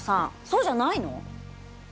そうじゃないの？